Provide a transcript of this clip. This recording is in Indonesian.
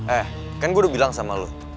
eh kan gue udah bilang sama lo